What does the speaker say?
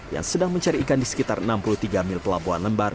yang sedang mencari ikan di sekitar enam puluh tiga mil pelabuhan lembar